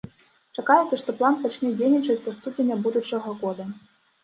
Чакаецца, што план пачне дзейнічаць са студзеня будучага года.